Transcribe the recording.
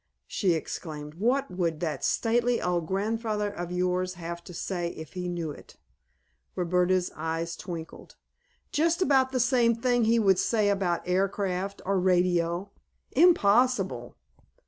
she exclaimed. "What would that stately old grandfather of yours have to say if he knew it?" Roberta's eyes twinkled. "Just about the same thing that he would say about aircraft or radio. Impossible!"